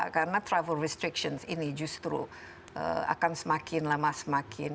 karena travel restrictions ini justru akan semakin lama semakin